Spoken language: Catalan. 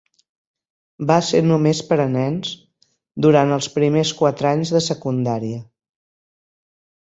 Va ser només per a nens durant els primers quatre anys de secundària.